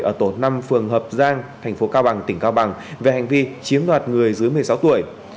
ở tổ năm phường hợp giang thành phố cao bằng tỉnh cao bằng về hành vi chiếm đoạt người dưới một mươi sáu tuổi